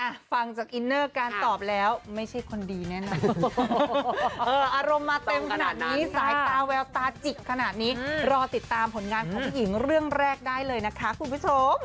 ฟังจากอินเนอร์การตอบแล้วไม่ใช่คนดีแน่นอนอารมณ์มาเต็มขนาดนี้สายตาแววตาจิกขนาดนี้รอติดตามผลงานของผู้หญิงเรื่องแรกได้เลยนะคะคุณผู้ชม